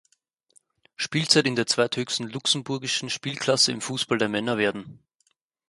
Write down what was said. Spielzeit in der zweithöchsten luxemburgischen Spielklasse im Fußball der Männer werden.